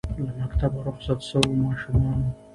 له مکتبه رخصت سویو ماشومانو